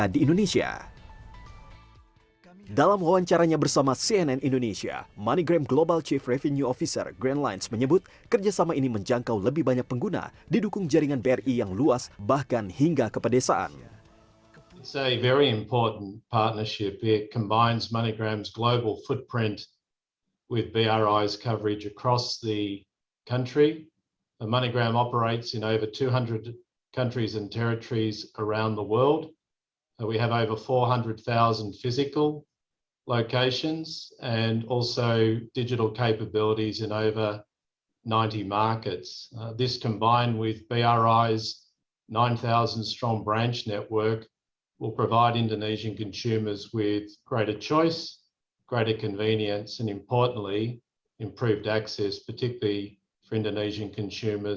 dalam wawancaranya bersama cnn indonesia moneygram global chief revenue officer grant lyons menyebut kerjasama ini menjangkau lebih banyak pengguna didukung jaringan bri yang luas bahkan hingga kepedesaan